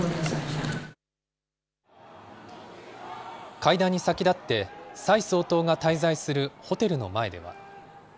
会談に先立って、蔡総統が滞在するホテルの前では。